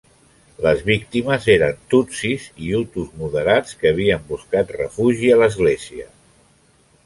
Les víctimes eren tutsis i hutus moderats que havien buscat refugi a l'església.